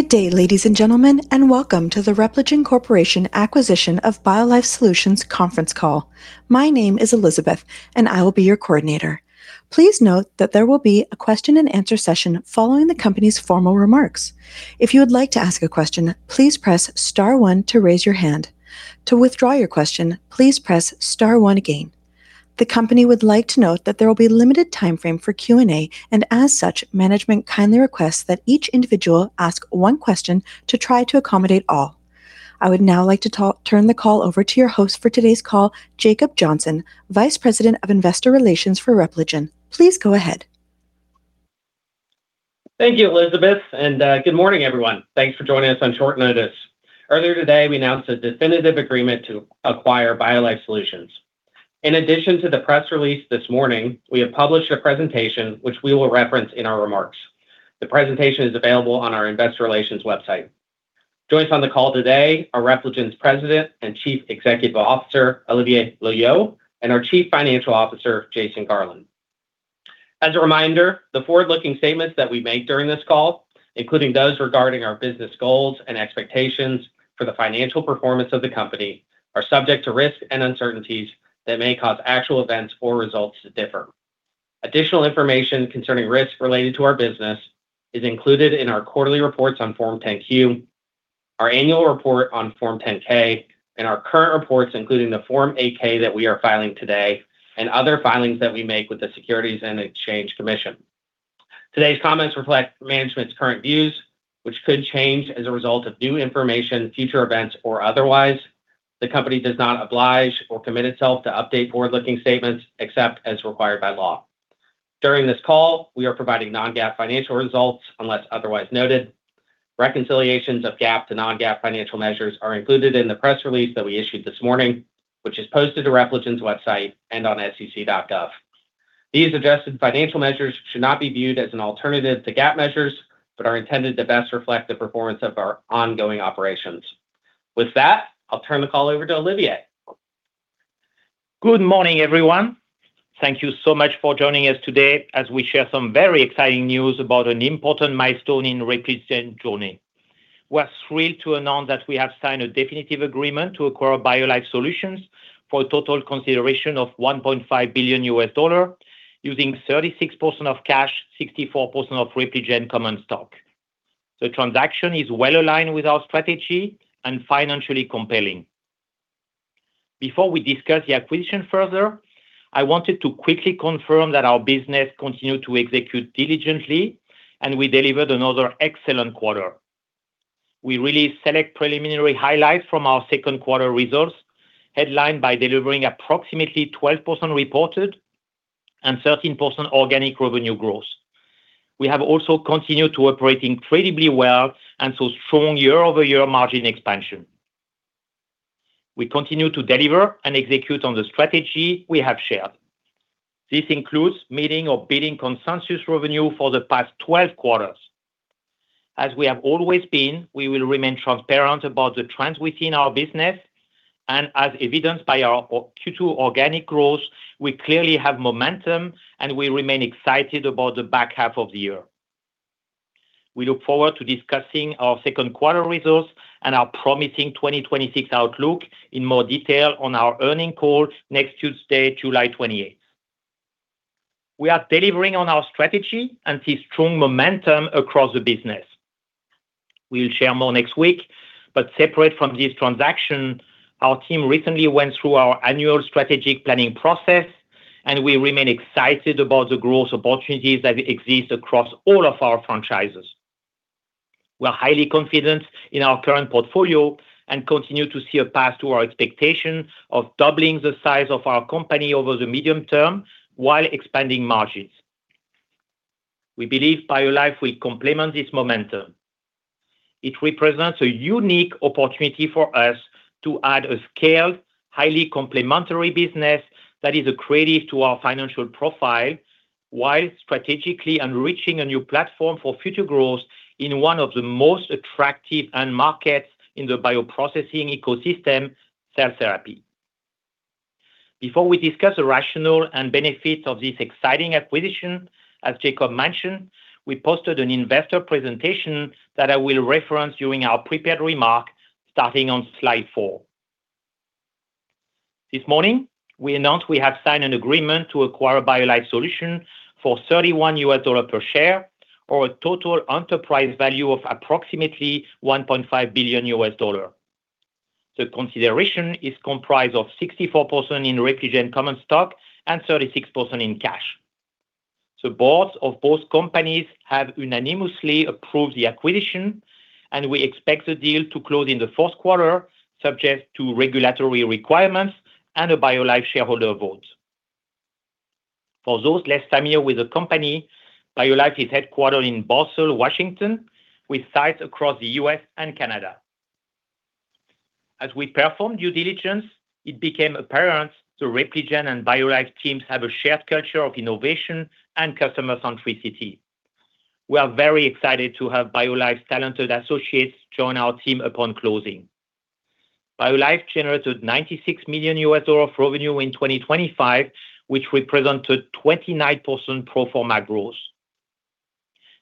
Good day, ladies and gentlemen, and welcome to the Repligen Corporation acquisition of BioLife Solutions conference call. My name is Elizabeth and I will be your Coordinator. Please note that there will be a question and answer session following the company's formal remarks. If you would like to ask a question, please press star one to raise your hand. To withdraw your question, please press star one again. The company would like to note that there will be limited timeframe for Q&A and as such, management kindly requests that each individual ask one question to try to accommodate all. I would now like to turn the call over to your host for today's call, Jacob Johnson, Vice President of Investor Relations for Repligen. Please go ahead. Thank you, Elizabeth, good morning, everyone. Thanks for joining us on short notice. Earlier today, we announced a definitive agreement to acquire BioLife Solutions. In addition to the press release this morning, we have published a presentation which we will reference in our remarks. The presentation is available on our investor relations website. Joining us on the call today are Repligen's President and Chief Executive Officer, Olivier Loeillot, and our Chief Financial Officer, Jason Garland. As a reminder, the forward-looking statements that we make during this call, including those regarding our business goals and expectations for the financial performance of the company, are subject to risks and uncertainties that may cause actual events or results to differ. Additional information concerning risks related to our business is included in our quarterly reports on Form 10-Q, our annual report on Form 10-K, our current reports, including the Form 8-K that we are filing today, other filings that we make with the Securities and Exchange Commission. Today's comments reflect management's current views, which could change as a result of new information, future events, or otherwise. The company does not oblige or commit itself to update forward-looking statements except as required by law. During this call, we are providing non-GAAP financial results, unless otherwise noted. Reconciliations of GAAP to non-GAAP financial measures are included in the press release that we issued this morning, which is posted to Repligen's website and on sec.gov. These adjusted financial measures should not be viewed as an alternative to GAAP measures, but are intended to best reflect the performance of our ongoing operations. With that, I'll turn the call over to Olivier. Good morning, everyone. Thank you so much for joining us today as we share some very exciting news about an important milestone in Repligen's journey. We're thrilled to announce that we have signed a definitive agreement to acquire BioLife Solutions for a total consideration of $1.5 billion, using 36% of cash, 64% of Repligen common stock. The transaction is well aligned with our strategy and financially compelling. Before we discuss the acquisition further, I wanted to quickly confirm that our business continued to execute diligently, and we delivered another excellent quarter. We released select preliminary highlights from our second quarter results, headlined by delivering approximately 12% reported and 13% organic revenue growth. We have also continued to operate incredibly well and show strong year-over-year margin expansion. We continue to deliver and execute on the strategy we have shared. This includes meeting or beating consensus revenue for the past 12 quarters. As we have always been, we will remain transparent about the trends within our business. As evidenced by our Q2 organic growth, we clearly have momentum. We remain excited about the back half of the year. We look forward to discussing our second quarter results and our promising 2026 outlook in more detail on our earning call next Tuesday, July 28th. We are delivering on our strategy and see strong momentum across the business. We'll share more next week. Separate from this transaction, our team recently went through our annual strategic planning process. We remain excited about the growth opportunities that exist across all of our franchises. We're highly confident in our current portfolio and continue to see a path to our expectation of doubling the size of our company over the medium term while expanding margins. We believe BioLife will complement this momentum. It represents a unique opportunity for us to add a scaled, highly complementary business that is accretive to our financial profile, while strategically enriching a new platform for future growth in one of the most attractive end markets in the bioprocessing ecosystem, cell therapy. Before we discuss the rationale and benefits of this exciting acquisition, as Jacob mentioned, we posted an investor presentation that I will reference during our prepared remarks, starting on slide four. This morning, we announced we have signed an agreement to acquire BioLife Solutions for $31 per share, or a total enterprise value of approximately $1.5 billion. The consideration is comprised of 64% in Repligen common stock and 36% in cash. The boards of both companies have unanimously approved the acquisition. We expect the deal to close in the fourth quarter, subject to regulatory requirements and a BioLife shareholder vote. For those less familiar with the company, BioLife is headquartered in Bothell, Washington, with sites across the U.S. and Canada. As we performed due diligence, it became apparent the Repligen and BioLife teams have a shared culture of innovation and customer centricity. We are very excited to have BioLife's talented associates join our team upon closing. BioLife generated $96 million of revenue in 2025, which represented 29% pro forma growth.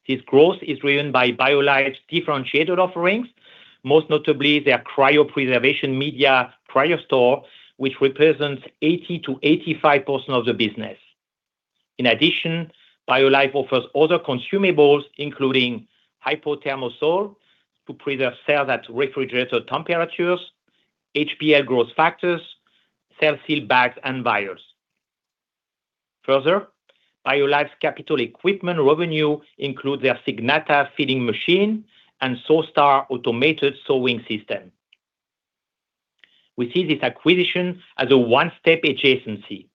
This growth is driven by BioLife's differentiated offerings, most notably their cryopreservation media, CryoStor, which represents 80%-85% of the business. In addition, BioLife offers other consumables, including HypoThermosol to preserve cells at refrigerated temperatures, hPL growth factors, CellSeal bags, and vials. Further, BioLife's capital equipment revenue include their Signata feeding machine and ThawSTAR automated thawing system. We see this acquisition as a one-step adjacency.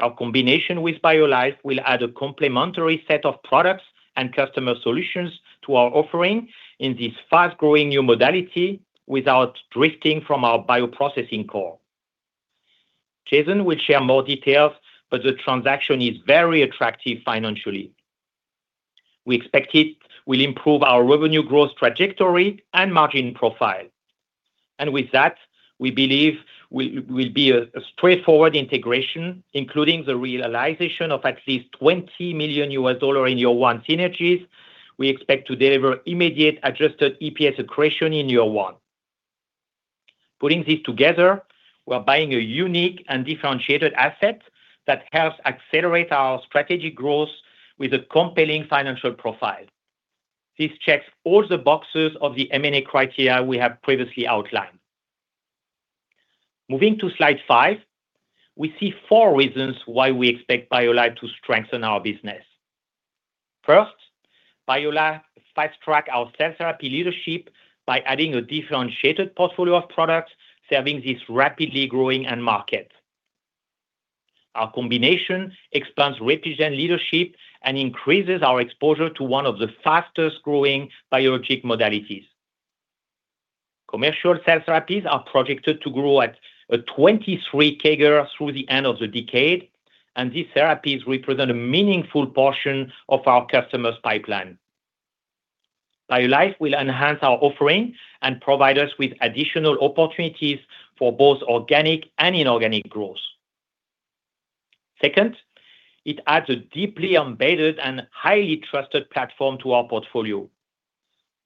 Our combination with BioLife will add a complementary set of products and customer solutions to our offering in this fast-growing new modality without drifting from our bioprocessing core. Jason will share more details, but the transaction is very attractive financially. We expect it will improve our revenue growth trajectory and margin profile. With that, we believe will be a straightforward integration, including the realization of at least $20 million in year 1 synergies. We expect to deliver immediate adjusted EPS accretion in year 1. Putting this together, we're buying a unique and differentiated asset that helps accelerate our strategic growth with a compelling financial profile. This checks all the boxes of the M&A criteria we have previously outlined. Moving to slide five, we see four reasons why we expect BioLife to strengthen our business. First, BioLife fast-track our cell therapy leadership by adding a differentiated portfolio of products serving this rapidly growing end market. Our combination expands Repligen leadership and increases our exposure to one of the fastest-growing biologic modalities. Commercial cell therapies are projected to grow at a 23% CAGR through the end of the decade, and these therapies represent a meaningful portion of our customer's pipeline. BioLife will enhance our offering and provide us with additional opportunities for both organic and inorganic growth. Second, it adds a deeply embedded and highly trusted platform to our portfolio.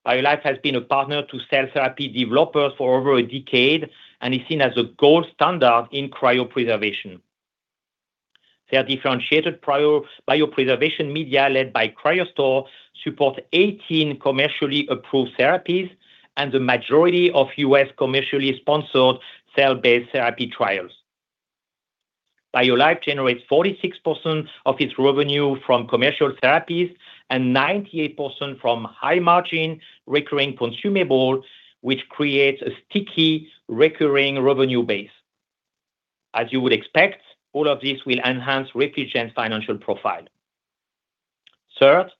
BioLife has been a partner to cell therapy developers for over a decade and is seen as a gold standard in cryopreservation. Their differentiated biopreservation media, led by CryoStor, supports 18 commercially approved therapies and the majority of U.S. commercially sponsored cell-based therapy trials. BioLife generates 46% of its revenue from commercial therapies and 98% from high-margin recurring consumable, which creates a sticky recurring revenue base. As you would expect, all of this will enhance Repligen's financial profile. Third,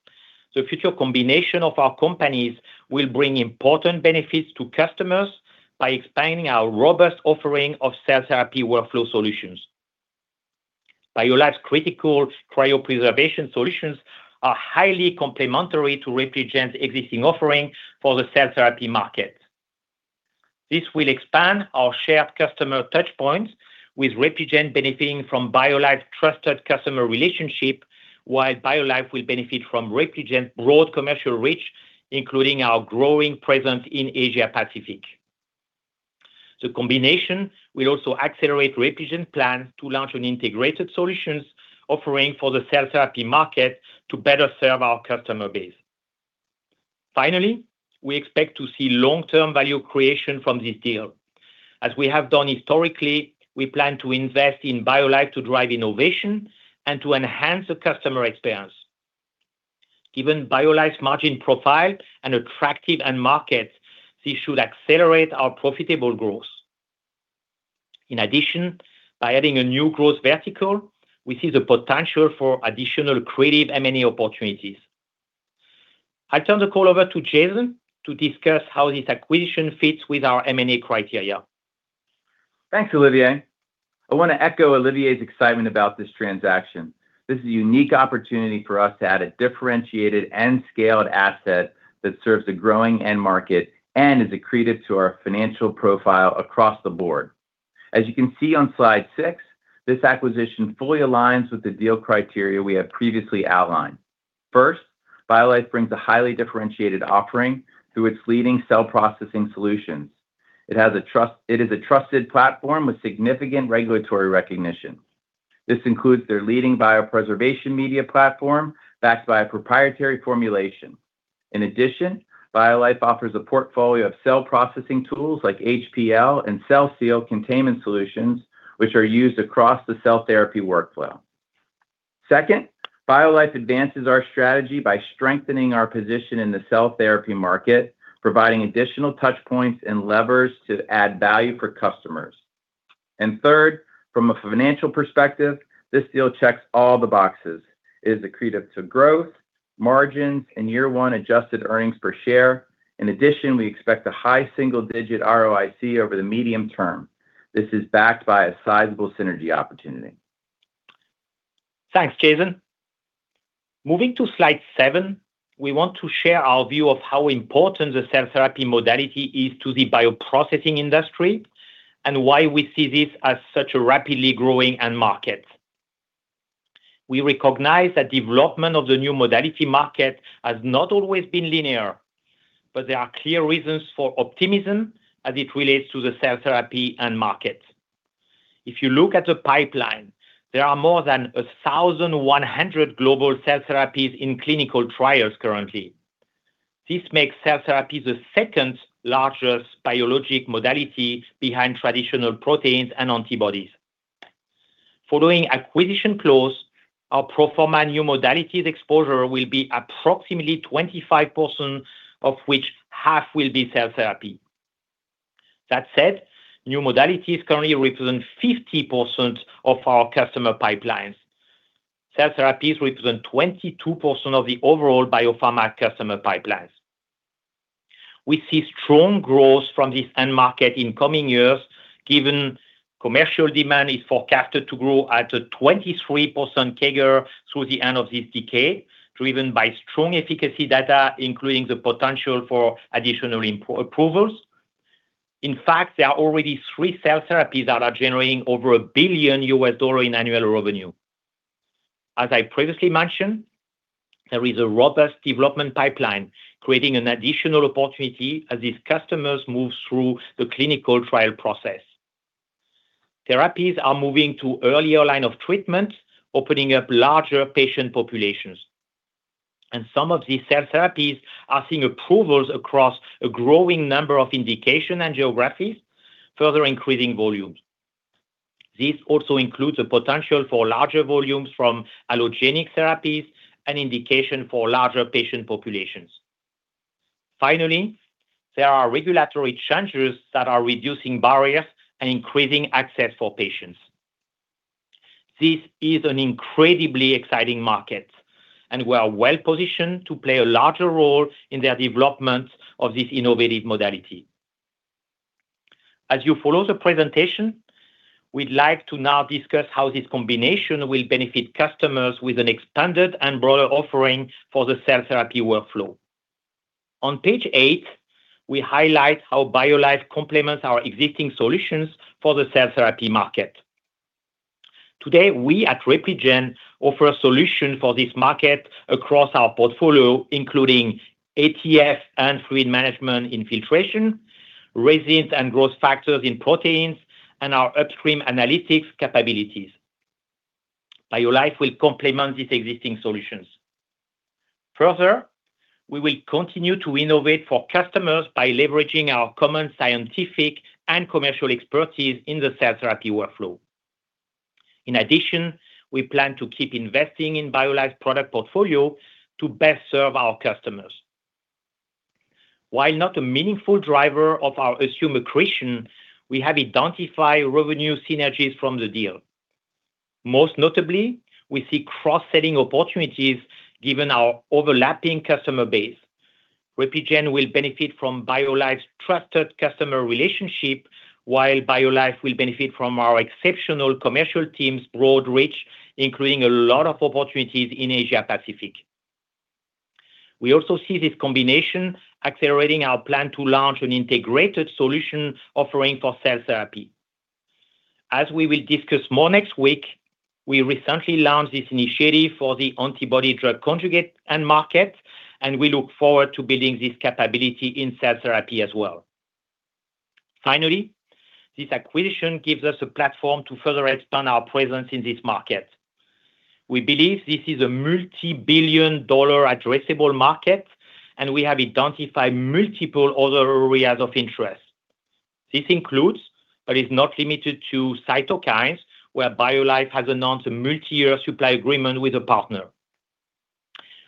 the future combination of our companies will bring important benefits to customers by expanding our robust offering of cell therapy workflow solutions. BioLife's critical cryopreservation solutions are highly complementary to Repligen's existing offering for the cell therapy market. This will expand our shared customer touchpoints with Repligen benefiting from BioLife's trusted customer relationship, while BioLife will benefit from Repligen's broad commercial reach, including our growing presence in Asia Pacific. The combination will also accelerate Repligen's plan to launch an integrated solutions offering for the cell therapy market to better serve our customer base. Finally, we expect to see long-term value creation from this deal. As we have done historically, we plan to invest in BioLife to drive innovation and to enhance the customer experience. Given BioLife's margin profile and attractive end markets, this should accelerate our profitable growth. In addition, by adding a new growth vertical, we see the potential for additional creative M&A opportunities. I turn the call over to Jason to discuss how this acquisition fits with our M&A criteria. Thanks, Olivier. I want to echo Olivier's excitement about this transaction. This is a unique opportunity for us to add a differentiated and scaled asset that serves a growing end market and is accretive to our financial profile across the board. As you can see on slide six, this acquisition fully aligns with the deal criteria we have previously outlined. First, BioLife brings a highly differentiated offering through its leading cell processing solutions. It is a trusted platform with significant regulatory recognition. This includes their leading biopreservation media platform backed by a proprietary formulation. In addition, BioLife offers a portfolio of cell processing tools like hPL and CellSeal containment solutions, which are used across the cell therapy workflow. Second, BioLife advances our strategy by strengthening our position in the cell therapy market, providing additional touchpoints and levers to add value for customers. Third, from a financial perspective, this deal checks all the boxes. It is accretive to growth, margins, and year one adjusted earnings per share. In addition, we expect a high single-digit ROIC over the medium term. This is backed by a sizable synergy opportunity. Thanks, Jason. Moving to slide seven, we want to share our view of how important the cell therapy modality is to the bioprocessing industry, and why we see this as such a rapidly growing end market. We recognize that development of the new modality market has not always been linear, but there are clear reasons for optimism as it relates to the cell therapy end market. If you look at the pipeline, there are more than 1,100 global cell therapies in clinical trials currently. This makes cell therapy the second-largest biologic modality behind traditional proteins and antibodies. Following acquisition close, our pro forma new modalities exposure will be approximately 25%, of which half will be cell therapy. That said, new modalities currently represent 50% of our customer pipelines. Cell therapies represent 22% of the overall biopharma customer pipelines. We see strong growth from this end market in coming years, given commercial demand is forecasted to grow at a 23% CAGR through the end of this decade, driven by strong efficacy data, including the potential for additional approvals. In fact, there are already three cell therapies that are generating over $1 billion in annual revenue. As I previously mentioned, there is a robust development pipeline creating an additional opportunity as these customers move through the clinical trial process. Therapies are moving to earlier line of treatment, opening up larger patient populations. Some of these cell therapies are seeing approvals across a growing number of indication and geographies, further increasing volumes. This also includes a potential for larger volumes from allogeneic therapies and indication for larger patient populations. Finally, there are regulatory changes that are reducing barriers and increasing access for patients. This is an incredibly exciting market, and we are well-positioned to play a larger role in the development of this innovative modality. As you follow the presentation, we'd like to now discuss how this combination will benefit customers with an expanded and broader offering for the cell therapy workflow. On page eight, we highlight how BioLife complements our existing solutions for the cell therapy market. Today, we at Repligen offer a solution for this market across our portfolio, including ATF and fluid management in filtration, resins and growth factors in proteins, and our upstream analytics capabilities. BioLife will complement these existing solutions. Further, we will continue to innovate for customers by leveraging our common scientific and commercial expertise in the cell therapy workflow. In addition, we plan to keep investing in BioLife product portfolio to best serve our customers. While not a meaningful driver of our assumed accretion, we have identified revenue synergies from the deal. Most notably, we see cross-selling opportunities given our overlapping customer base. Repligen will benefit from BioLife's trusted customer relationship, while BioLife will benefit from our exceptional commercial team's broad reach, including a lot of opportunities in Asia Pacific. We also see this combination accelerating our plan to launch an integrated solution offering for cell therapy. As we will discuss more next week, we recently launched this initiative for the antibody drug conjugate end market. We look forward to building this capability in cell therapy as well. Finally, this acquisition gives us a platform to further expand our presence in this market. We believe this is a multi-billion dollar addressable market. We have identified multiple other areas of interest. This includes, but is not limited to cytokines, where BioLife has announced a multi-year supply agreement with a partner.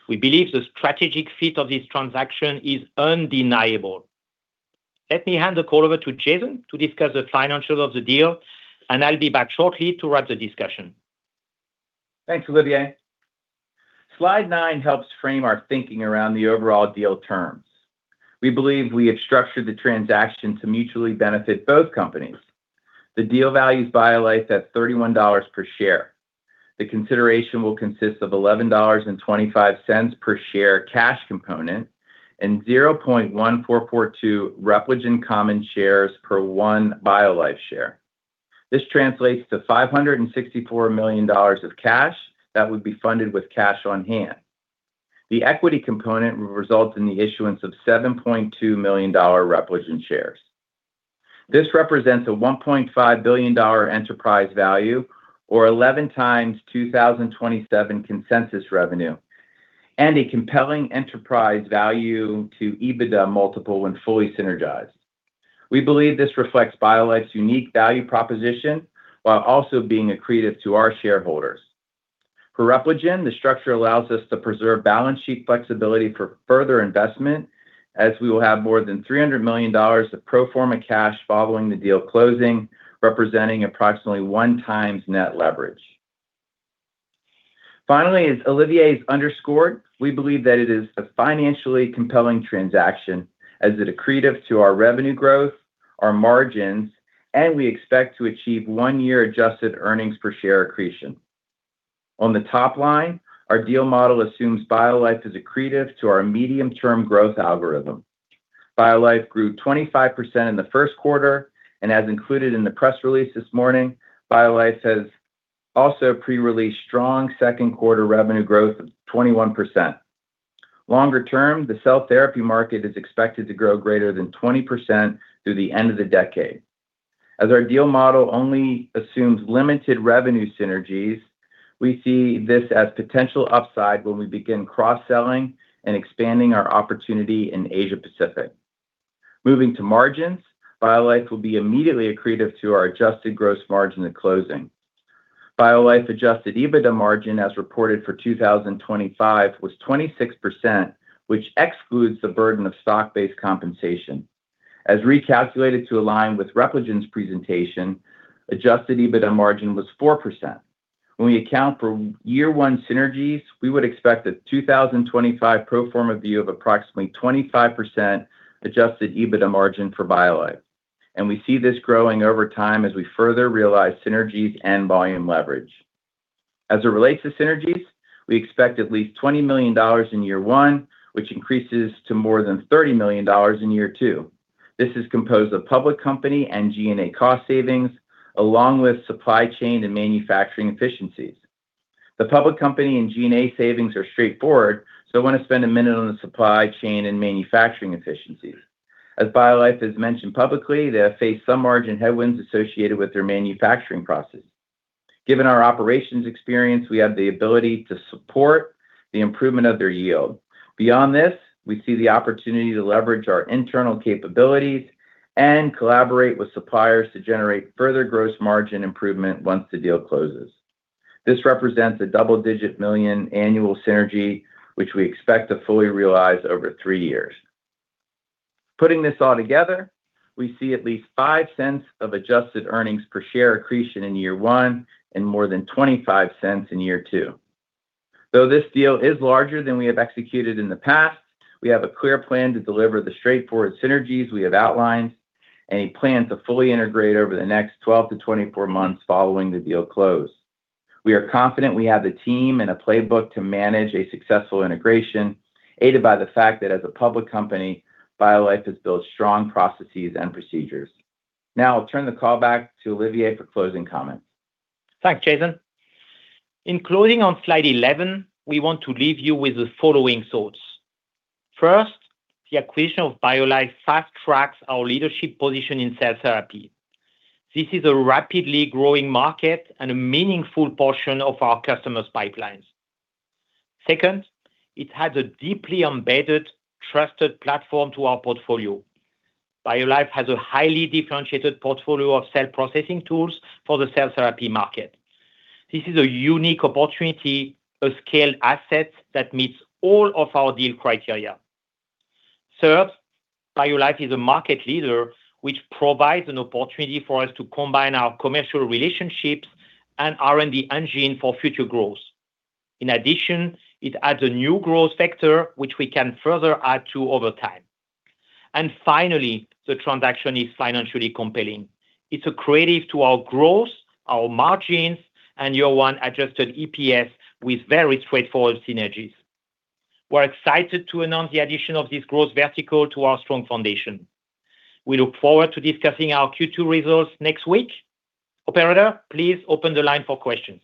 We believe the strategic fit of this transaction is undeniable. Let me hand the call over to Jason to discuss the financials of the deal. I'll be back shortly to wrap the discussion. Thanks, Olivier. Slide nine helps frame our thinking around the overall deal terms. We believe we have structured the transaction to mutually benefit both companies. The deal values BioLife at $31 per share. The consideration will consist of $11.25 per share cash component and 0.1442 Repligen common shares per one BioLife share. This translates to $564 million of cash that would be funded with cash on hand. The equity component will result in the issuance of $7.2 million Repligen shares. This represents a $1.5 billion enterprise value, or 11x 2027 consensus revenue. A compelling enterprise value to EBITDA multiple when fully synergized. We believe this reflects BioLife's unique value proposition, while also being accretive to our shareholders. For Repligen, the structure allows us to preserve balance sheet flexibility for further investment, as we will have more than $300 million of pro forma cash following the deal closing, representing approximately one times net leverage. As Olivier has underscored, we believe that it is a financially compelling transaction as it's accretive to our revenue growth Our margins, and we expect to achieve one-year adjusted earnings per share accretion. On the top line, our deal model assumes BioLife is accretive to our medium-term growth algorithm. BioLife grew 25% in the first quarter, and as included in the press release this morning, BioLife has also pre-released strong second quarter revenue growth of 21%. Longer term, the cell therapy market is expected to grow greater than 20% through the end of the decade. As our deal model only assumes limited revenue synergies, we see this as potential upside when we begin cross-selling and expanding our opportunity in Asia-Pacific. Moving to margins, BioLife will be immediately accretive to our adjusted gross margin at closing. BioLife adjusted EBITDA margin, as reported for 2025, was 26%, which excludes the burden of stock-based compensation. As recalculated to align with Repligen's presentation, adjusted EBITDA margin was 4%. When we account for year one synergies, we would expect a 2025 pro forma view of approximately 25% adjusted EBITDA margin for BioLife, and we see this growing over time as we further realize synergies and volume leverage. As it relates to synergies, we expect at least $20 million in year one, which increases to more than $30 million in year two. This is composed of public company and G&A cost savings, along with supply chain and manufacturing efficiencies. The public company and G&A savings are straightforward. I want to spend a minute on the supply chain and manufacturing efficiencies. As BioLife has mentioned publicly, they have faced some margin headwinds associated with their manufacturing process. Given our operations experience, we have the ability to support the improvement of their yield. Beyond this, we see the opportunity to leverage our internal capabilities and collaborate with suppliers to generate further gross margin improvement once the deal closes. This represents a double-digit million annual synergy, which we expect to fully realize over three years. Putting this all together, we see at least $0.05 of adjusted earnings per share accretion in year one and more than $0.25 in year two. Though this deal is larger than we have executed in the past, we have a clear plan to deliver the straightforward synergies we have outlined and a plan to fully integrate over the next 12 to 24 months following the deal close. We are confident we have the team and a playbook to manage a successful integration, aided by the fact that as a public company, BioLife has built strong processes and procedures. I'll turn the call back to Olivier for closing comments. Thanks, Jason. In closing on slide 11, we want to leave you with the following thoughts. First, the acquisition of BioLife fast-tracks our leadership position in cell therapy. This is a rapidly growing market and a meaningful portion of our customers' pipelines. Second, it adds a deeply embedded, trusted platform to our portfolio. BioLife has a highly differentiated portfolio of cell processing tools for the cell therapy market. This is a unique opportunity, a scaled asset that meets all of our deal criteria. Third, BioLife is a market leader, which provides an opportunity for us to combine our commercial relationships and R&D engine for future growth. In addition, it adds a new growth vector, which we can further add to over time. Finally, the transaction is financially compelling. It's accretive to our growth, our margins, and year one adjusted EPS with very straightforward synergies. We're excited to announce the addition of this growth vertical to our strong foundation. We look forward to discussing our Q2 results next week. Operator, please open the line for questions.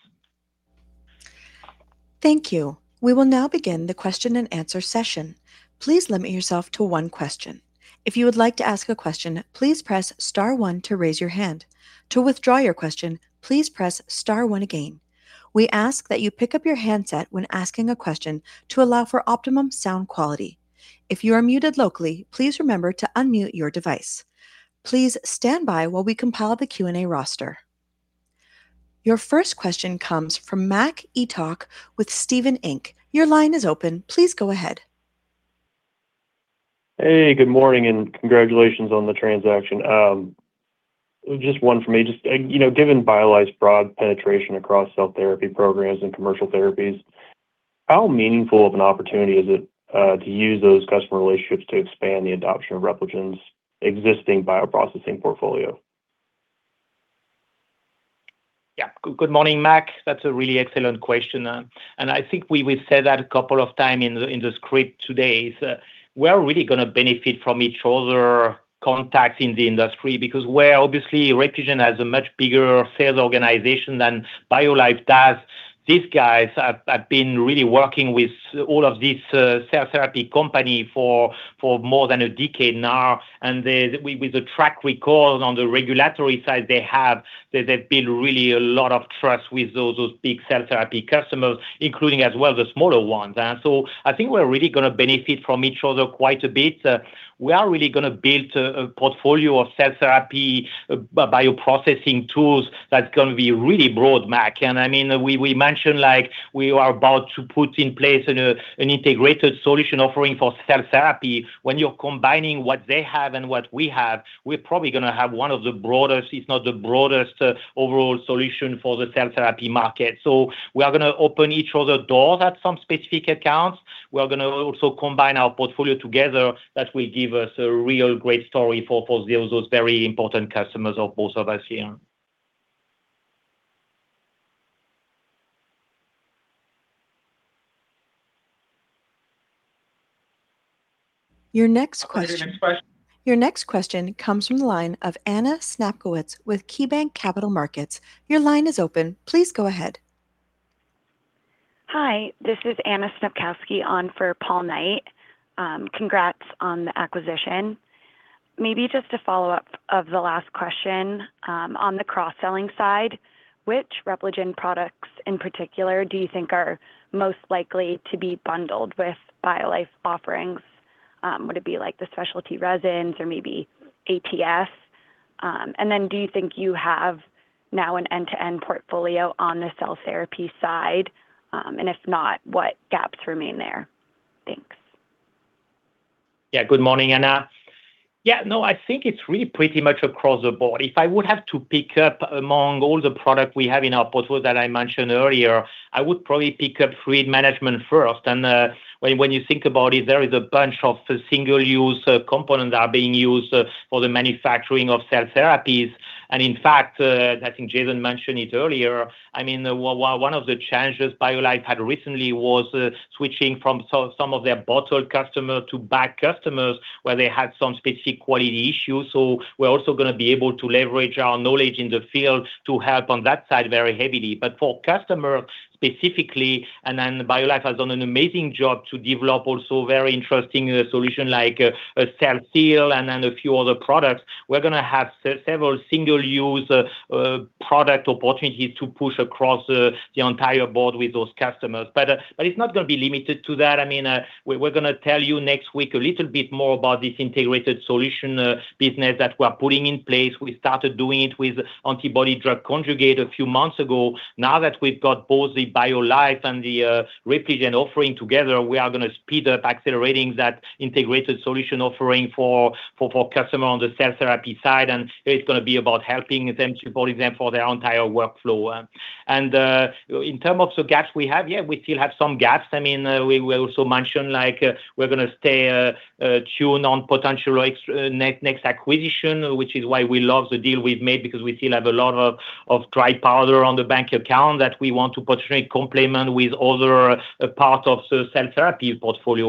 Thank you. We will now begin the question and answer session. Please limit yourself to one question. If you would like to ask a question, please press star one to raise your hand. To withdraw your question, please press star one again. We ask that you pick up your handset when asking a question to allow for optimum sound quality. If you are muted locally, please remember to unmute your device. Please stand by while we compile the Q&A roster. Your first question comes from Mac Etoch with Stephens Inc. Your line is open. Please go ahead. Hey, good morning, and congratulations on the transaction. Just one from me. Just given BioLife's broad penetration across cell therapy programs and commercial therapies, how meaningful of an opportunity is it to use those customer relationships to expand the adoption of Repligen's existing bioprocessing portfolio? Yeah. Good morning, Mac. That's a really excellent question. I think we said that a couple of times in the script today, is we're really going to benefit from each other contacts in the industry because where obviously Repligen has a much bigger sales organization than BioLife does. These guys have been really working with all of these cell therapy company for more than a decade now. With the track record on the regulatory side they have, they've built really a lot of trust with those big cell therapy customers, including as well the smaller ones. I think we're really going to benefit from each other quite a bit. We are really going to build a portfolio of cell therapy bioprocessing tools that's going to be really broad, Mac. We mentioned we are about to put in place an integrated solution offering for cell therapy. When you're combining what they have and what we have, we're probably going to have one of the broadest, if not the broadest overall solution for the cell therapy market. We are going to open each other doors at some specific accounts. We are going to also combine our portfolio together. That will give us a real great story for those very important customers of both of us here. Your next question- Operator, your next question. Your next question comes from the line of Anna Snopkowski with KeyBanc Capital Markets. Your line is open. Please go ahead. Hi, this is Anna Snopkowski on for Paul Knight. Congrats on the acquisition. Just a follow-up of the last question. On the cross-selling side, which Repligen products in particular do you think are most likely to be bundled with BioLife offerings? Would it be the specialty resins or ATF? Do you think you have now an end-to-end portfolio on the cell therapy side? If not, what gaps remain there? Thanks. Good morning, Anna. Yeah, no, I think it's really pretty much across the board. If I would have to pick up among all the product we have in our portfolio that I mentioned earlier, I would probably pick up fluid management first. When you think about it, there is a bunch of single-use components that are being used for the manufacturing of cell therapies. In fact, I think Jason mentioned it earlier, one of the challenges BioLife had recently was switching from some of their bottled customer to bag customers where they had some specific quality issues. We're also going to be able to leverage our knowledge in the field to help on that side very heavily. For customer specifically, BioLife has done an amazing job to develop also very interesting solution like CellSeal and then a few other products. We're going to have several single-use product opportunities to push across the entire board with those customers. It's not going to be limited to that. We're going to tell you next week a little bit more about this integrated solution business that we're putting in place. We started doing it with antibody drug conjugate a few months ago. Now that we've got both the BioLife and the Repligen offering together, we are going to speed up accelerating that integrated solution offering for customer on the cell therapy side. It's going to be about helping them, supporting them for their entire workflow. In term of the gaps we have, yeah, we still have some gaps. We also mentioned we're going to stay tuned on potential next acquisition, which is why we love the deal we've made because we still have a lot of dry powder on the bank account that we want to potentially complement with other part of cell therapy portfolio.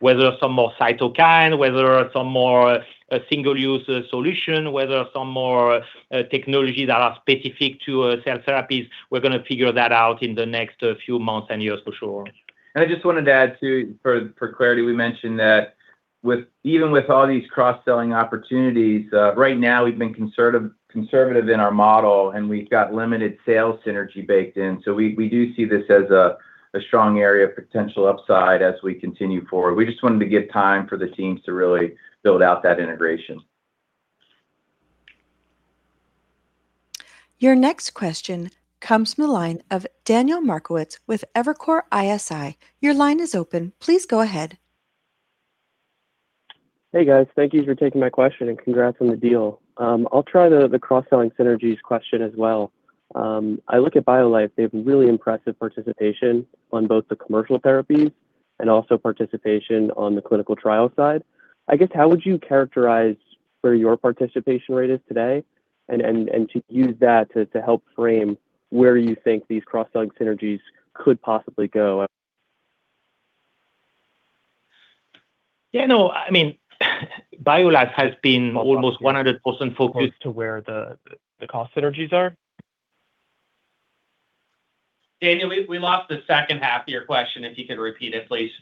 Whether some more cytokine, whether some more single-use solution, whether some more technologies that are specific to cell therapies, we're going to figure that out in the next few months and years for sure. I just wanted to add too, for clarity, we mentioned that even with all these cross-selling opportunities, right now we've been conservative in our model and we've got limited sales synergy baked in. We do see this as a strong area of potential upside as we continue forward. We just wanted to give time for the teams to really build out that integration. Your next question comes from the line of Daniel Markowitz with Evercore ISI. Your line is open. Please go ahead. Hey guys. Thank you for taking my question and congrats on the deal. I'll try the cross-selling synergies question as well. I look at BioLife, they have really impressive participation on both the commercial therapies and also participation on the clinical trial side. I guess how would you characterize where your participation rate is today? To use that to help frame where you think these cross-selling synergies could possibly go. Yeah, no. BioLife has been almost 100% focused- Close to where the cost synergies are? Daniel, we lost the second half of your question. If you could repeat it, please.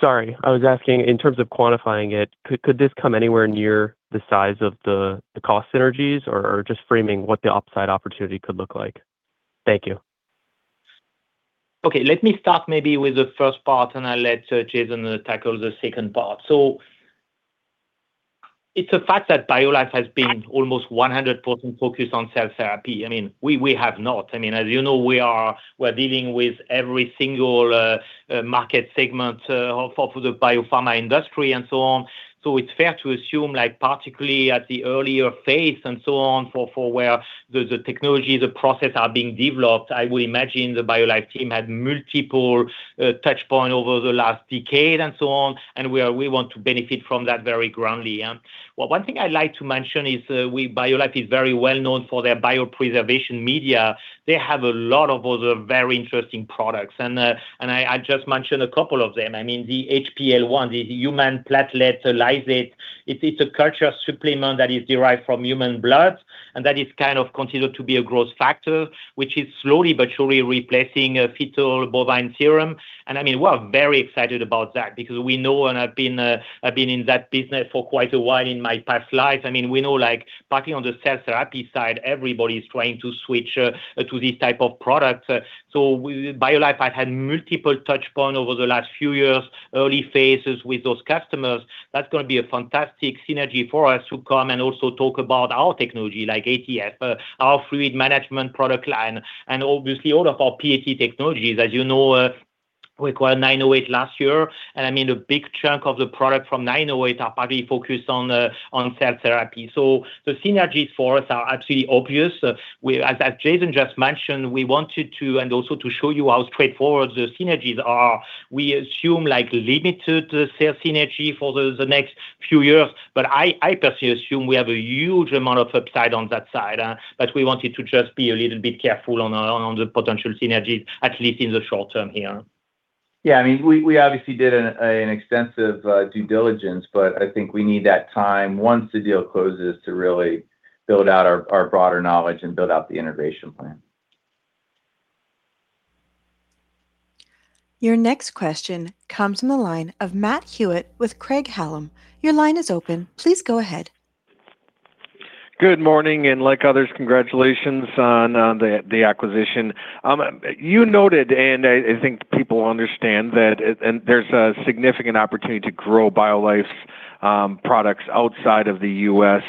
Sorry. I was asking in terms of quantifying it, could this come anywhere near the size of the cost synergies or just framing what the upside opportunity could look like? Thank you. Let me start maybe with the first part and I'll let Jason tackle the second part. It's a fact that BioLife has been almost 100% focused on cell therapy. We have not. As you know, we're dealing with every single market segment for the biopharma industry and so on. It's fair to assume like particularly at the earlier phase and so on, for where the technology, the process are being developed, I would imagine the BioLife team had multiple touchpoint over the last decade and so on, and we want to benefit from that very grandly. One thing I'd like to mention is BioLife is very well known for their biopreservation media. They have a lot of other very interesting products, and I just mentioned a couple of them. The hPL one, the human platelet lysate. It's a culture supplement that is derived from human blood, that is kind of considered to be a growth factor, which is slowly but surely replacing fetal bovine serum. We're very excited about that because we know, and I've been in that business for quite a while in my past life. We know like particularly on the cell therapy side, everybody's trying to switch to this type of product. BioLife had multiple touchpoint over the last few years, early phases with those customers. That's going to be a fantastic synergy for us to come and also talk about our technology like ATF, our fluid management product line, and obviously all of our PAT technologies. As you know, we acquired 908 last year, and a big chunk of the product from 908 are probably focused on cell therapy. The synergies for us are actually obvious. As Jason just mentioned, we wanted to and also to show you how straightforward the synergies are. We assume like limited cell synergy for the next few years, but I personally assume we have a huge amount of upside on that side. We wanted to just be a little bit careful on the potential synergies, at least in the short term here. We obviously did an extensive due diligence, I think we need that time once the deal closes to really build out our broader knowledge and build out the innovation plan. Your next question comes from the line of Matt Hewitt with Craig-Hallum. Your line is open. Please go ahead. Good morning. Like others, congratulations on the acquisition. You noted, I think people understand that there's a significant opportunity to grow BioLife's products outside of the U.S.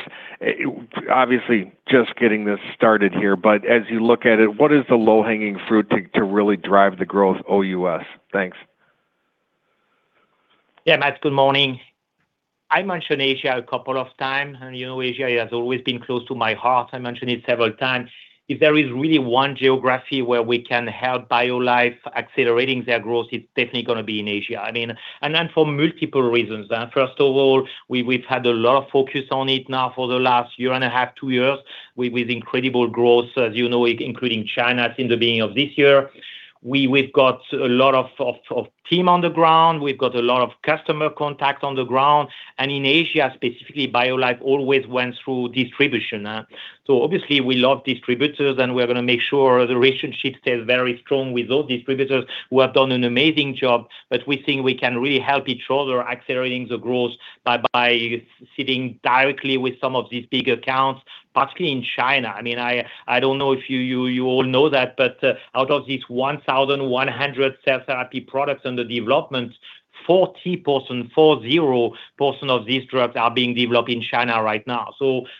Obviously, just getting this started here, as you look at it, what is the low-hanging fruit to really drive the growth OUS? Thanks. Yeah, Matt, good morning. I mentioned Asia a couple of times. Asia has always been close to my heart. I mentioned it several times. If there is really one geography where we can help BioLife accelerating their growth, it's definitely going to be in Asia. For multiple reasons. First of all, we've had a lot of focus on it now for the last one and a half, two years, with incredible growth, as you know it, including China since the beginning of this year. We've got a lot of team on the ground. We've got a lot of customer contact on the ground. In Asia specifically, BioLife always went through distribution. Obviously we love distributors, we're going to make sure the relationship stays very strong with those distributors who have done an amazing job. We think we can really help each other accelerating the growth by sitting directly with some of these big accounts, particularly in China. I don't know if you all know that, out of these 1,100 cell therapy products under development, 40%, four zero percent of these drugs are being developed in China right now.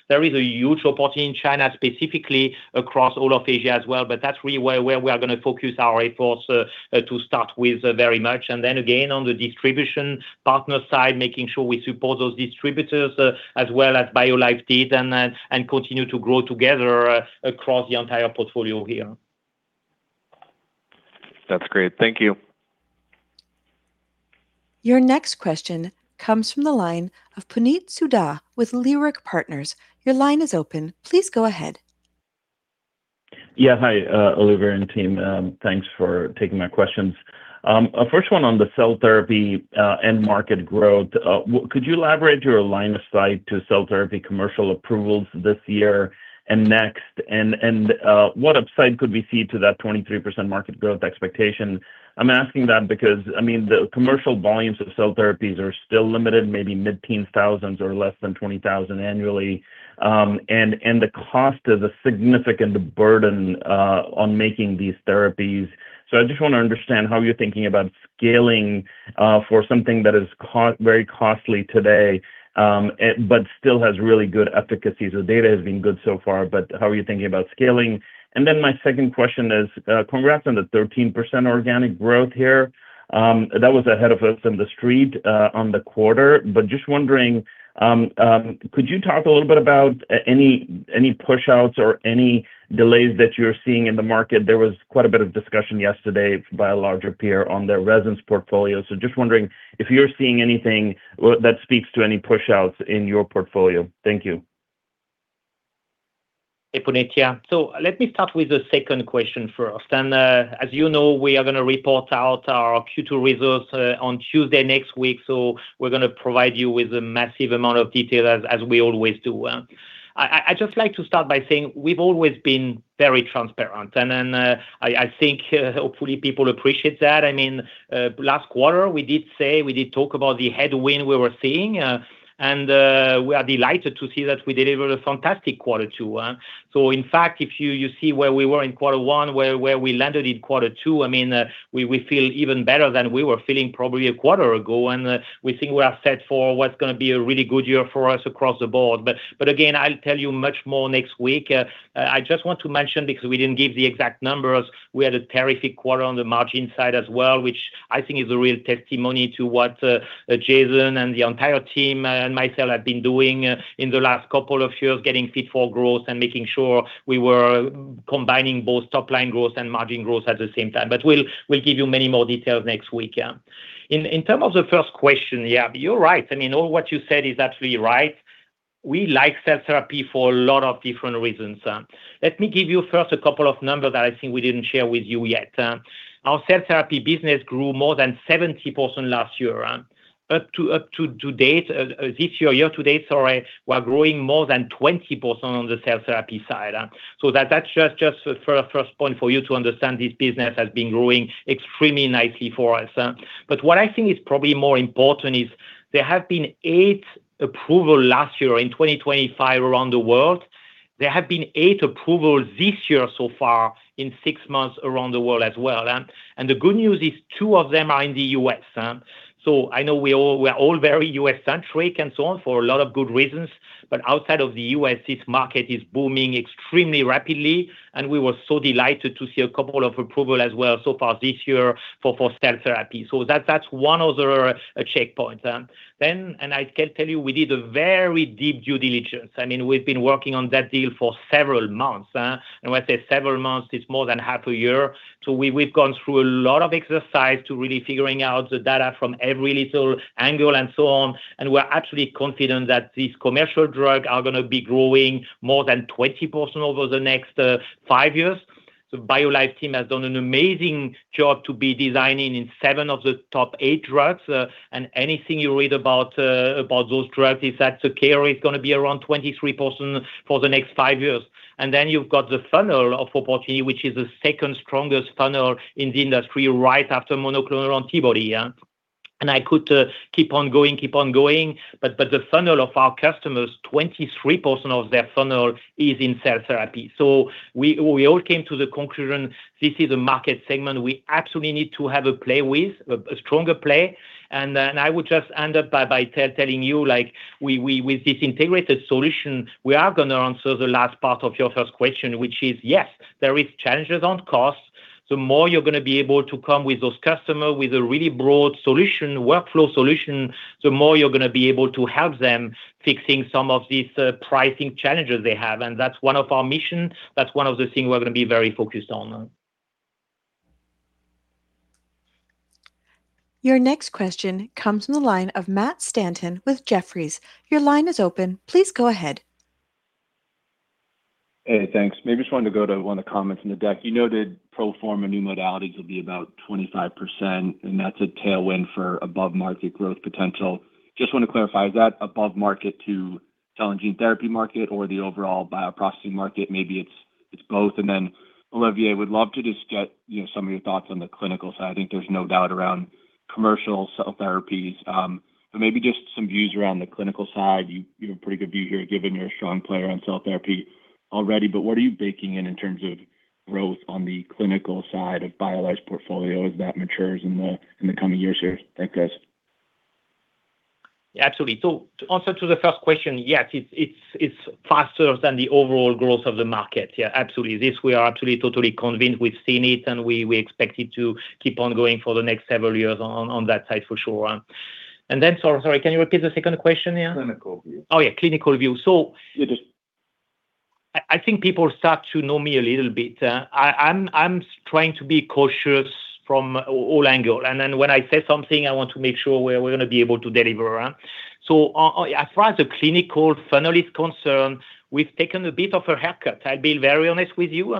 There is a huge opportunity in China specifically across all of Asia as well, that's really where we are going to focus our efforts to start with very much. Again, on the distribution partner side, making sure we support those distributors as well as BioLife did, continue to grow together across the entire portfolio here. That's great. Thank you. Your next question comes from the line of Puneet Souda with Leerink Partners. Your line is open. Please go ahead. Yeah. Hi, Olivier and team. Thanks for taking my questions. First one on the cell therapy end market growth. Could you elaborate your line of sight to cell therapy commercial approvals this year and next? What upside could we see to that 23% market growth expectation? I'm asking that because the commercial volumes of cell therapies are still limited, maybe mid-teen thousands or less than 20,000 annually. The cost is a significant burden on making these therapies. I just want to understand how you're thinking about scaling for something that is very costly today, but still has really good efficacy. The data has been good so far, how are you thinking about scaling? My second question is, congrats on the 13% organic growth here. That was ahead of us in the street on the quarter. Just wondering, could you talk a little bit about any push-outs or any delays that you're seeing in the market? There was quite a bit of discussion yesterday by a larger peer on their resin portfolio. Just wondering if you're seeing anything that speaks to any push-outs in your portfolio. Thank you. Hey, Puneet. Yeah. Let me start with the second question first. As you know, we are going to report out our Q2 results on Tuesday next week, so we're going to provide you with a massive amount of detail as we always do. I just like to start by saying we've always been very transparent, and I think hopefully people appreciate that. Last quarter, we did say we did talk about the headwind we were seeing. We are delighted to see that we delivered a fantastic quarter two. In fact, if you see where we were in quarter one, where we landed in quarter two, we feel even better than we were feeling probably a quarter ago, and we think we are set for what's going to be a really good year for us across the board. Again, I'll tell you much more next week. I just want to mention, because we didn't give the exact numbers, we had a terrific quarter on the margin side as well, which I think is a real testimony to what Jason and the entire team and myself have been doing in the last couple of years, getting fit for growth and making sure we were combining both top-line growth and margin growth at the same time. We'll give you many more details next week. Yeah. In terms of the first question, yeah, you're right. All what you said is actually right. We like cell therapy for a lot of different reasons. Let me give you first a couple of numbers that I think we didn't share with you yet. Our cell therapy business grew more than 70% last year. Up to date, this year to date, sorry, we're growing more than 20% on the cell therapy side. That's just a first point for you to understand this business has been growing extremely nicely for us. What I think is probably more important is there have been eight approvals last year in 2025 around the world. There have been eight approvals this year so far in six months around the world as well. The good news is two of them are in the U.S. I know we're all very U.S.-centric and so on for a lot of good reasons. Outside of the U.S., this market is booming extremely rapidly, and we were so delighted to see a couple of approvals as well so far this year for cell therapy. That's one other checkpoint. Then, I can tell you, we did a very deep due diligence. We've been working on that deal for several months. When I say several months, it's more than half a year. We've gone through a lot of exercise to really figuring out the data from every little angle and so on. We're actually confident that these commercial drugs are going to be growing more than 20% over the next five years. The BioLife team has done an amazing job to be designing in seven of the top eight drugs. Anything you read about those drugs is that the CAGR is going to be around 23% for the next five years. Then you've got the funnel of opportunity, which is the second strongest funnel in the industry right after monoclonal antibody. Yeah. I could keep on going, but the funnel of our customers, 23% of their funnel is in cell therapy. We all came to the conclusion this is a market segment we absolutely need to have a play with, a stronger play. I would just end up by telling you with this integrated solution, we are going to answer the last part of your first question, which is, yes, there is challenges on costs. The more you're going to be able to come with those customer with a really broad solution, workflow solution, the more you're going to be able to help them fixing some of these pricing challenges they have. That's one of our mission. That's one of the things we're going to be very focused on. Your next question comes from the line of Matt Stanton with Jefferies. Your line is open. Please go ahead. Hey, thanks. Maybe just wanted to go to one of the comments in the deck. You noted pro forma new modalities will be about 25%, that's a tailwind for above-market growth potential. Just want to clarify, is that above market to cell and gene therapy market or the overall bioprocessing market? Maybe it's both. Olivier, would love to just get some of your thoughts on the clinical side. I think there's no doubt around commercial cell therapies. But maybe just some views around the clinical side. You have a pretty good view here given you're a strong player on cell therapy already. But what are you baking in in terms of growth on the clinical side of BioLife's portfolio as that matures in the coming years here? Thanks, guys. Yeah, absolutely. To answer to the first question, yes, it's faster than the overall growth of the market. Yeah, absolutely. This we are absolutely, totally convinced. We've seen it, we expect it to keep on going for the next several years on that side for sure. Sorry, can you repeat the second question? Yeah. Clinical view. Oh, yeah. Clinical view. Yeah, just I think people start to know me a little bit. I'm trying to be cautious from all angle, and then when I say something, I want to make sure we're going to be able to deliver. As far as the clinical funnel is concerned, we've taken a bit of a haircut. I'll be very honest with you.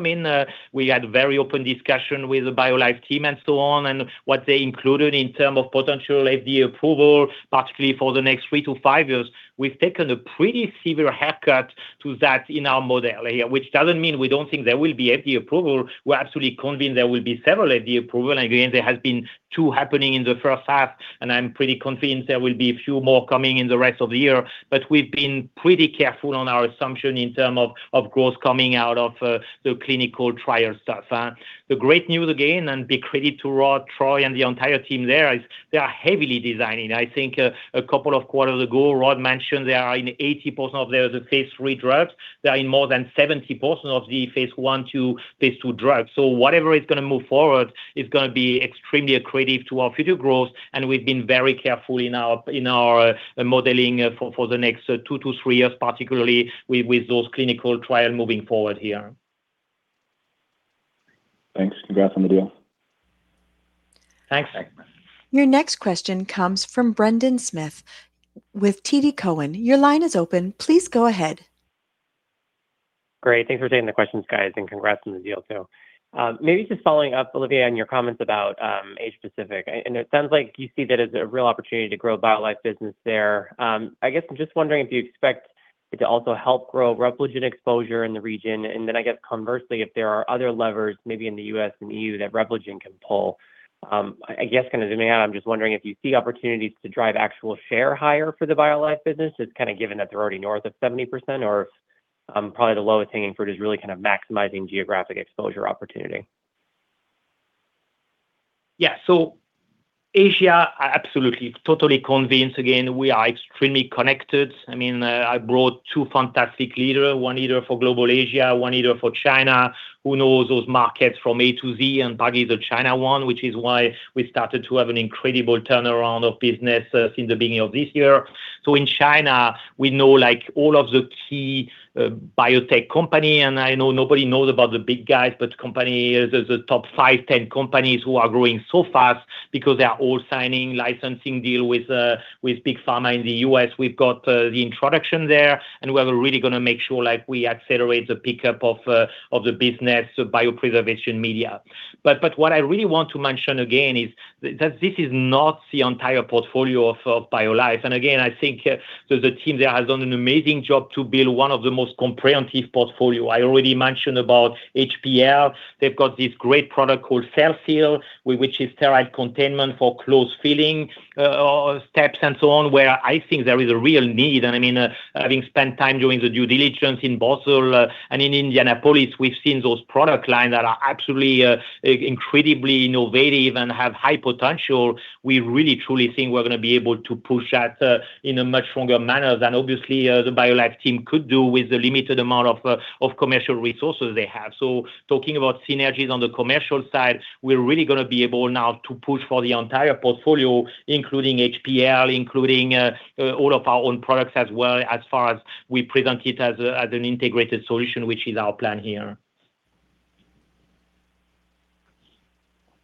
We had very open discussion with the BioLife team and so on, and what they included in term of potential FDA approval, particularly for the next three to five years. We've taken a pretty severe haircut to that in our model here, which doesn't mean we don't think there will be FDA approval. We're absolutely convinced there will be several FDA approval. Again, there has been two happening in the first half, and I'm pretty convinced there will be a few more coming in the rest of the year. We've been pretty careful on our assumption in term of growth coming out of the clinical trial stuff. The great news again, and big credit to Rod, Troy, and the entire team there is they are heavily designing. I think a couple of quarters ago, Rod mentioned they are in 80% of their phase III drugs. They are in more than 70% of the phase I, II, phase II drugs. Whatever is going to move forward is going to be extremely accretive to our future growth, and we've been very careful in our modeling for the next two to three years, particularly with those clinical trial moving forward here. Thanks. Congrats on the deal. Thanks. Your next question comes from Brendan Smith with TD Cowen. Your line is open. Please go ahead. Great. Thanks for taking the questions, guys, and congrats on the deal, too. Maybe just following up, Olivier, on your comments about Asia-Pacific. It sounds like you see that as a real opportunity to grow BioLife business there. I guess I'm just wondering if you expect it to also help grow Repligen exposure in the region, and then I guess conversely, if there are other levers maybe in the U.S. and EU that Repligen can pull. I guess kind of zooming out, I'm just wondering if you see opportunities to drive actual share higher for the BioLife business as kind of given that they're already north of 70%, or if probably the lowest hanging fruit is really kind of maximizing geographic exposure opportunity. Asia, absolutely, totally convinced. Again, we are extremely connected. I brought two fantastic leaders, one leader for global Asia, one leader for China, who knows those markets from A to Z, and by the China one, which is why we started to have an incredible turnaround of business since the beginning of this year. In China, we know all of the key biotech companies, and I know nobody knows about the big guys, but company is a top five, 10 companies who are growing so fast because they are all signing licensing deal with big pharma in the U.S. We've got the introduction there, and we are really going to make sure we accelerate the pickup of the business of biopreservation media. What I really want to mention again is that this is not the entire portfolio of BioLife, and again, I think the team there has done an amazing job to build one of the most comprehensive portfolio. I already mentioned about hPL. They've got this great product called CellSeal, which is sterile containment for closed filling steps and so on, where I think there is a real need. Having spent time doing the due diligence in Basel and in Indianapolis, we've seen those product lines that are absolutely incredibly innovative and have high potential. We really, truly think we're going to be able to push that in a much stronger manner than obviously the BioLife team could do with the limited amount of commercial resources they have. Talking about synergies on the commercial side, we're really going to be able now to push for the entire portfolio, including hPL, including all of our own products as well, as far as we present it as an integrated solution, which is our plan here.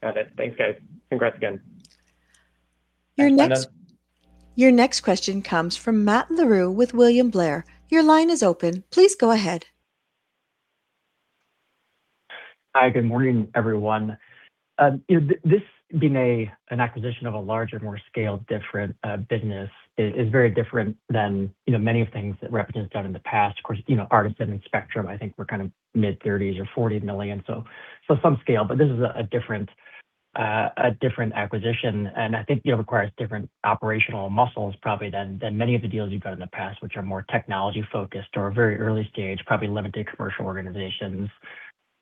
Got it. Thanks, guys. Congrats again. Your next question comes from Matt Larew with William Blair. Your line is open. Please go ahead. Hi. Good morning, everyone. This being an acquisition of a larger, more scaled, different business is very different than many of the things that Repligen has done in the past. [inaudible] ARTeSYN, Spectrum, I think were mid-30s or $40 million, so some scale. This is a different acquisition, and I think requires different operational muscles probably than many of the deals you've done in the past, which are more technology-focused or very early-stage, probably limited commercial organizations.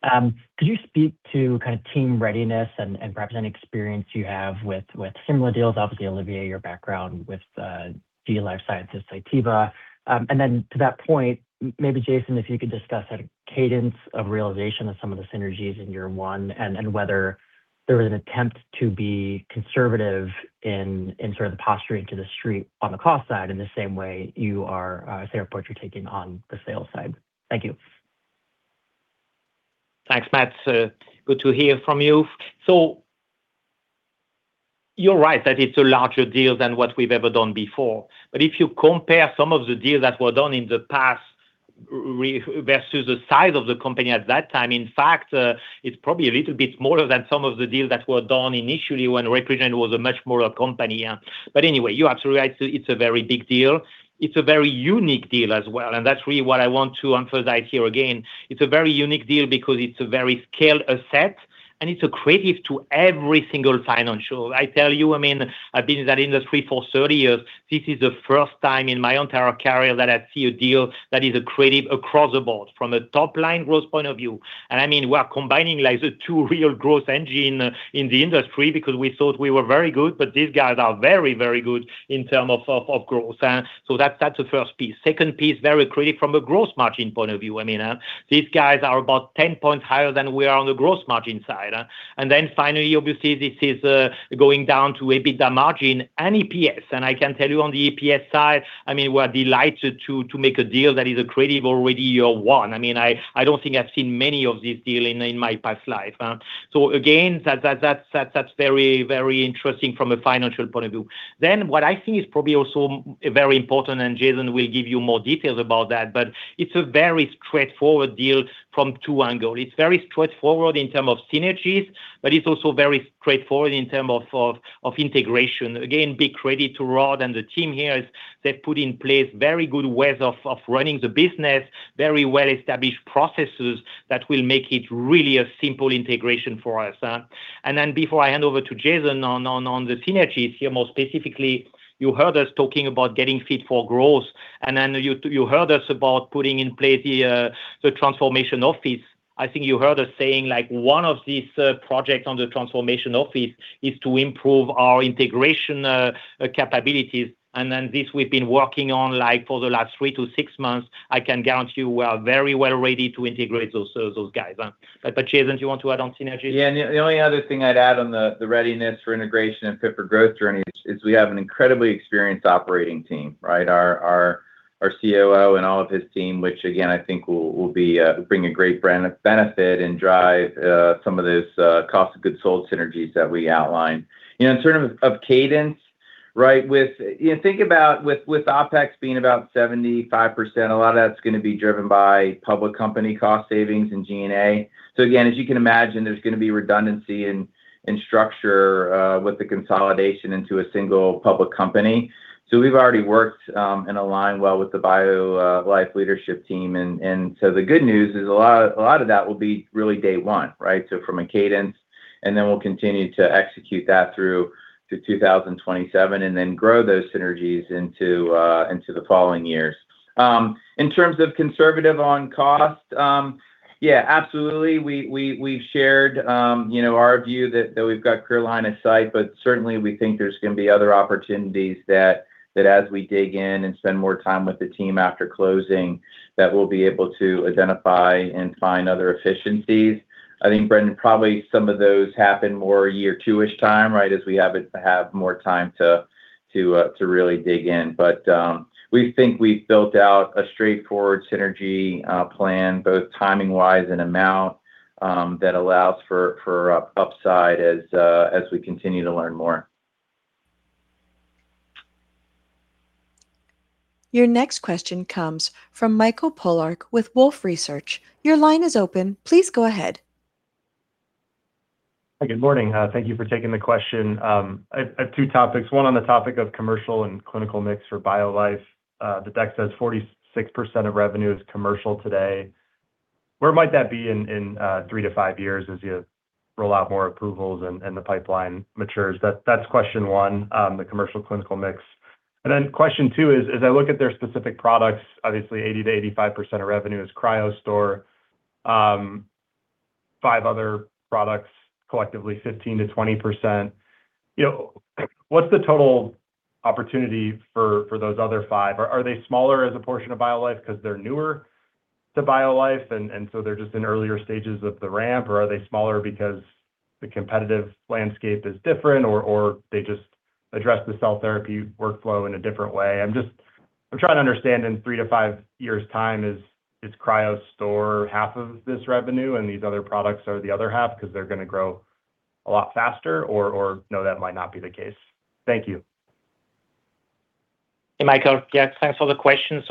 Could you speak to team readiness and perhaps any experience you have with similar deals? Obviously, Olivier, your background with the life sciences, Cytiva. To that point, maybe Jason, if you could discuss a cadence of realization of some of the synergies in year 1 and whether there was an attempt to be conservative in sort of the posturing to the street on the cost side in the same way you are, I say approach you're taking on the sales side. Thank you. Thanks, Matt. Good to hear from you. You're right that it's a larger deal than what we've ever done before. If you compare some of the deals that were done in the past versus the size of the company at that time, in fact, it's probably a little bit smaller than some of the deals that were done initially when Repligen was a much smaller company. Anyway, you're absolutely right. It's a very big deal. It's a very unique deal as well, and that's really what I want to emphasize here again. It's a very unique deal because it's a very scaled asset, and it's accretive to every single financial. I tell you, I've been in that industry for 30 years. This is the first time in my entire career that I see a deal that is accretive across the board from a top-line growth point of view. We're combining the two real growth engine in the industry because we thought we were very good, but these guys are very, very good in term of growth. That's the first piece. Second piece, very accretive from a gross margin point of view. These guys are about 10 points higher than we are on the gross margin side. Finally, obviously, this is going down to EBITDA margin and EPS. I can tell you on the EPS side, we're delighted to make a deal that is accretive already year one. I don't think I've seen many of these deal in my past life. Again, that's very interesting from a financial point of view. What I think is probably also very important, Jason will give you more details about that, it's a very straightforward deal from two angle. It's very straightforward in term of synergies, it's also very straightforward in term of integration. Again, big credit to Rod and the team here, as they've put in place very good ways of running the business, very well-established processes that will make it really a simple integration for us. Before I hand over to Jason on the synergies here, more specifically, you heard us talking about getting fit for growth, you heard us about putting in place the transformation office. I think you heard us saying one of these projects on the transformation office is to improve our integration capabilities. This we've been working on for the last three to six months. I can guarantee you, we are very well-ready to integrate those guys. Jason, do you want to add on synergies? Yeah. The only other thing I'd add on the readiness for integration and fit for growth journey is we have an incredibly experienced operating team. Our COO and all of his team, which again, I think will bring a great benefit and drive some of those cost of goods sold synergies that we outlined. In term of cadence, think about with OpEx being about 75%, a lot of that's going to be driven by public company cost savings and G&A. Again, as you can imagine, there's going to be redundancy in structure with the consolidation into a single public company. We've already worked and aligned well with the BioLife leadership team. The good news is a lot of that will be really day one. From a cadence, we'll continue to execute that through to 2027 and grow those synergies into the following years. In terms of conservative on cost, yeah, absolutely, we've shared our view that we've got clear line of sight, certainly, we think there's going to be other opportunities that as we dig in and spend more time with the team after closing, that we'll be able to identify and find other efficiencies. I think, Brendan, probably some of those happen more year two-ish time as we have more time to really dig in. We think we've built out a straightforward synergy plan, both timing-wise and amount, that allows for upside as we continue to learn more. Your next question comes from Michael Polark with Wolfe Research. Your line is open. Please go ahead. Hi, good morning. Thank you for taking the question. I have two topics, one on the topic of commercial and clinical mix for BioLife. The deck says 46% of revenue is commercial today. Where might that be in three to five years as you roll out more approvals and the pipeline matures? That's question one, the commercial-clinical mix. Question two is, as I look at their specific products, obviously 80%-85% of revenue is CryoStor, five other products, collectively 15%-20%. What's the total opportunity for those other five? Are they smaller as a portion of BioLife because they're newer to BioLife, and so they're just in earlier stages of the ramp, or are they smaller because the competitive landscape is different or they just address the cell therapy workflow in a different way. I'm trying to understand in three to five years' time, is CryoStor half of this revenue and these other products are the other half because they're going to grow a lot faster? No, that might not be the case. Thank you. Hey, Michael. Thanks for the question.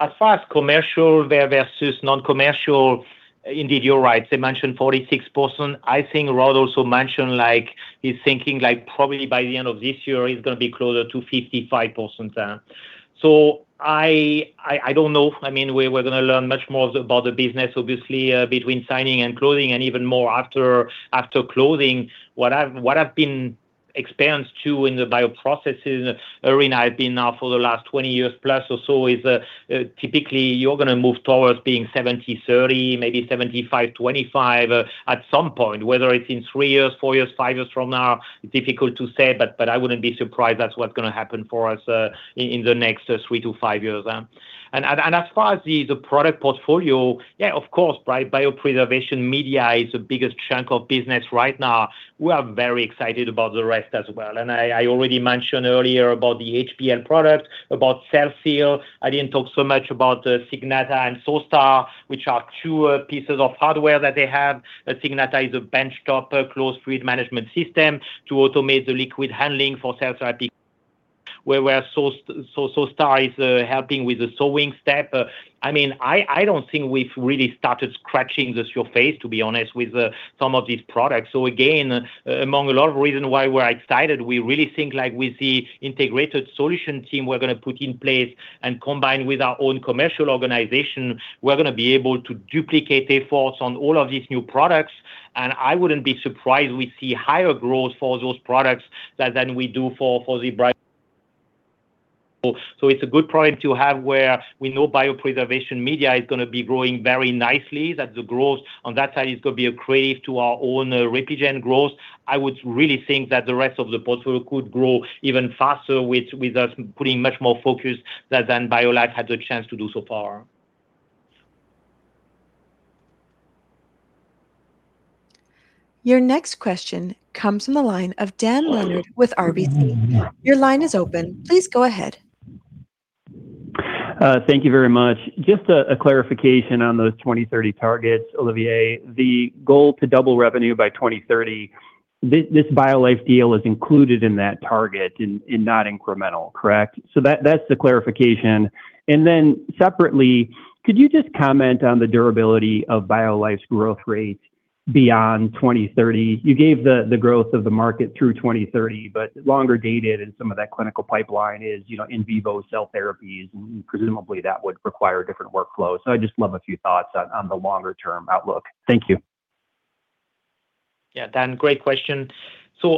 As far as commercial versus non-commercial, indeed, you're right. They mentioned 46%. Rod also mentioned he's thinking probably by the end of this year, it's going to be closer to 55% there. I don't know. We're going to learn much more about the business, obviously, between signing and closing and even more after closing. What I've been exposed to in the bioprocess arena I've been now for the last 20 years plus or so, is typically you're going to move towards being 70/30, maybe 75/25 at some point. Whether it's in three years, four years, five years from now, difficult to say, but I wouldn't be surprised that's what's going to happen for us in the next three to five years. As far as the product portfolio, of course, biopreservation media is the biggest chunk of business right now. We are very excited about the rest as well. I already mentioned earlier about the hPL product, about CellSeal. I didn't talk so much about Signata and ThawSTAR, which are two pieces of hardware that they have. Signata is a benchtop closed fluid management system to automate the liquid handling for cell therapy. ThawSTAR is helping with the thawing step. I don't think we've really started scratching the surface, to be honest, with some of these products. Again, among a lot of reasons why we're excited, we really think with the integrated solution team we're going to put in place and combine with our own commercial organization, we're going to be able to duplicate efforts on all of these new products. I wouldn't be surprised we see higher growth for those products than we do for the bulk. It's a good problem to have where we know biopreservation media is going to be growing very nicely, that the growth on that side is going to be accretive to our own Repligen growth. I would really think that the rest of the portfolio could grow even faster with us putting much more focus than BioLife Solutions had the chance to do so far. Your next question comes from the line of Dan Leonard with RBC. Your line is open. Please go ahead. Thank you very much. Just a clarification on those 2030 targets, Olivier. The goal to double revenue by 2030, this BioLife deal is included in that target and not incremental, correct? That's the clarification. Separately, could you just comment on the durability of BioLife's growth rate beyond 2030? You gave the growth of the market through 2030, but longer dated, and some of that clinical pipeline is in vivo cell therapies, and presumably, that would require different workflows. I'd just love a few thoughts on the longer-term outlook. Thank you. Yeah, Dan, great question.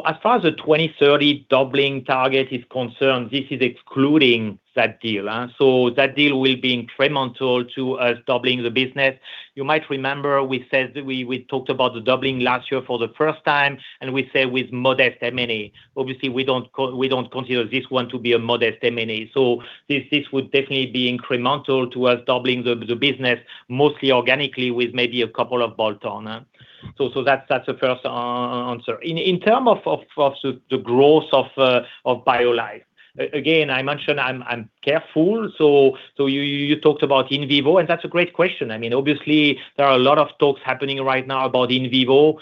As far as the 2030 doubling target is concerned, this is excluding that deal. That deal will be incremental to us doubling the business. You might remember we talked about the doubling last year for the first time, and we said with modest M&A. Obviously, we don't consider this one to be a modest M&A. This would definitely be incremental towards doubling the business mostly organically with maybe a couple of bolt-on. That's the first answer. In terms of the growth of BioLife, again, I mentioned I'm careful. You talked about in vivo, and that's a great question. Obviously, there are a lot of talks happening right now about in vivo.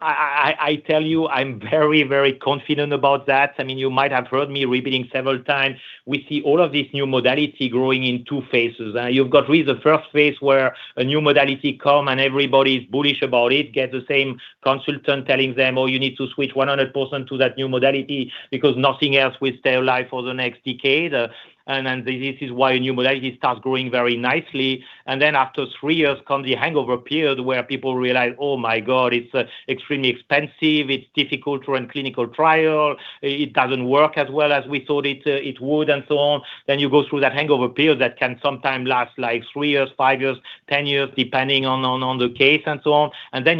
I tell you I'm very, very confident about that. You might have heard me repeating several times, we see all of these new modality growing in two phases. You've got really the first phase where a new modality come and everybody's bullish about it, get the same consultant telling them, "Oh, you need to switch 100% to that new modality because nothing else will stay alive for the next decade." This is why a new modality starts growing very nicely. After three years come the hangover period where people realize, "Oh my God, it's extremely expensive. It's difficult to run clinical trial. It doesn't work as well as we thought it would," and so on. You go through that hangover period that can sometimes last like three years, five years, 10 years, depending on the case and so on.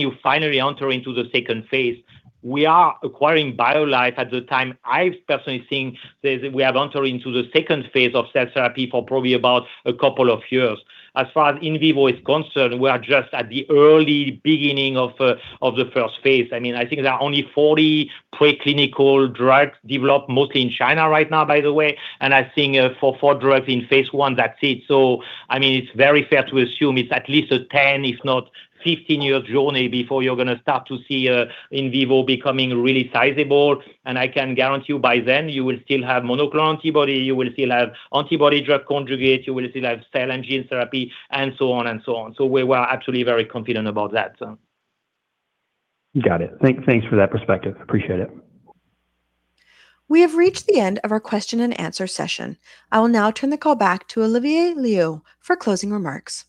You finally enter into the second phase. We are acquiring BioLife at the time I personally think that we have entered into the second phase of cell therapy for probably about a couple of years. As far as in vivo is concerned, we are just at the early beginning of the first phase. I think there are only 40 preclinical drugs developed mostly in China right now, by the way, and I think for four drugs in phase I. That's it. It's very fair to assume it's at least a 10 if not 15 years journey before you're going to start to see in vivo becoming really sizable. I can guarantee you by then you will still have monoclonal antibody, you will still have antibody drug conjugates, you will still have cell and gene therapy, and so on. We were actually very confident about that. Got it. Thanks for that perspective. Appreciate it. We have reached the end of our question and answer session. I will now turn the call back to Olivier Loeillot for closing remarks.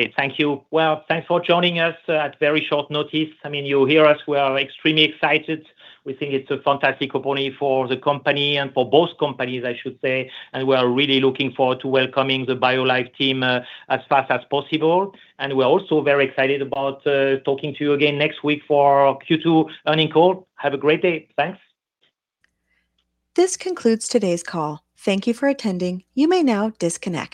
Hey, thank you. Well, thanks for joining us at very short notice. You hear us, we are extremely excited. We think it's a fantastic opportunity for the company and for both companies, I should say. We are really looking forward to welcoming the BioLife team as fast as possible. We're also very excited about talking to you again next week for our Q2 earning call. Have a great day. Thanks. This concludes today's call. Thank you for attending. You may now disconnect.